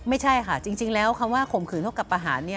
ไม่ใช่ค่ะจริงแล้วคำว่าข่มขืนเท่ากับประหาร